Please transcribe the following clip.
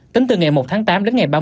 tính từ ngày một tháng tám đến ngày